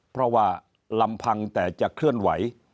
เพราะว่าลำพังแต่จะเคลื่อนไหว